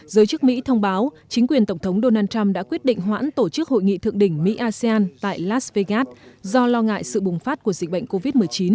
giới chức mỹ thông báo chính quyền tổng thống donald trump đã quyết định hoãn tổ chức hội nghị thượng đỉnh mỹ asean tại las vegas do lo ngại sự bùng phát của dịch bệnh covid một mươi chín